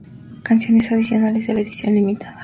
Canciones adicionales de la edición limitada